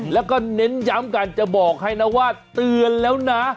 แล้วก็เน้นย้ำกันจะบอกให้นะว่าเตือนแล้วนะ